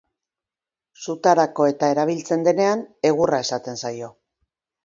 Sutarako-eta erabiltzen denean, egurra esaten zaio.